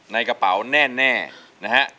ในกระเป๋าแน่นะฮะ